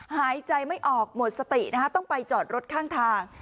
หายใจไม่ออกหมดสตินะคะต้องไปจอดรถข้างทาง